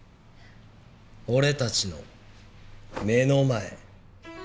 俺たちの目の前。